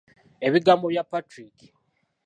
Ebigambo bya Patrick.